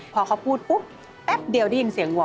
พอเขาพูดปุ๊บแป๊บเดียวได้ยินเสียงหว่อ